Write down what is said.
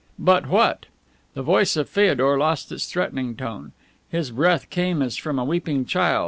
But what? The voice of Feodor lost its threatening tone. His breath came as from a weeping child.